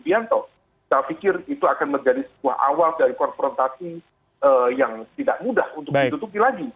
saya pikir itu akan menjadi sebuah awal dari konfrontasi yang tidak mudah untuk ditutupi lagi